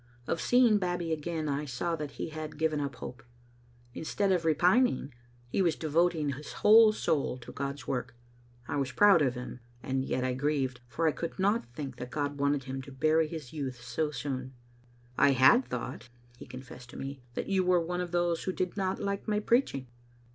Of seeing Babbie again I saw that he had given up hope. Instead of re pining, he was devoting his whole soul to God's work. I was proud of him, and yet I grieved, for I could not think that God wanted him to bury his youth so soon. "I had thought," he confessed to me, "that you were one of those who did not like my preaching."